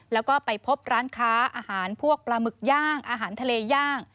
แล้วก็ไปพบร้านค้าอาหารพวกปลาหมึกย่างอาหารทะเลย่าง